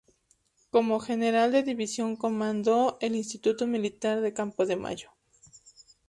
Como general de división comandó el Instituto Militar de Campo de Mayo.